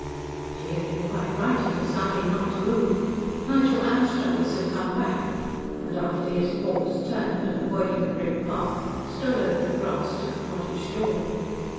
She had been quite right in deciding not to move. Nigel Anstruthers had come back, and after his pause turned, and avoiding the brick path, stole over the grass to the cottage door.